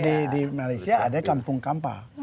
kalau di malaysia ada kampung kampar